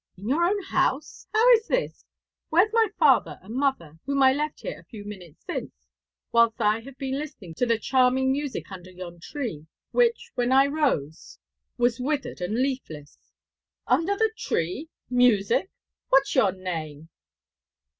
'In your own house? How is this? where's my father and mother, whom I left here a few minutes since, whilst I have been listening to the charming music under yon tree, which, when I rose, was withered and leafless?' 'Under the tree! music! what's your name?'